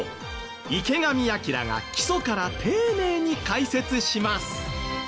池上彰が基礎から丁寧に解説します。